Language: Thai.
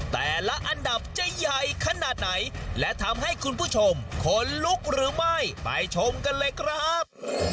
แต่ละอันดับจะใหญ่ขนาดไหนและทำให้คุณผู้ชมขนลุกหรือไม่ไปชมกันเลยครับ